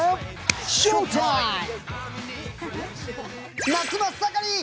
ＳＨＯＷＴＩＭＥ！